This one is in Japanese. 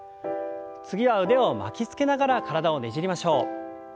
次は腕を巻きつけながら体をねじりましょう。